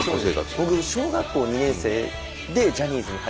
僕小学校２年生でジャニーズに入ったので。